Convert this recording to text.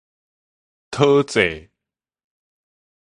討債